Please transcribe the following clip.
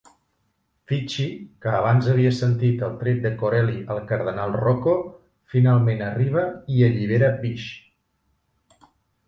Fitchie, que abans havia sentit el tret de Corelli al cardenal Rocco, finalment arriba i allibera Bish.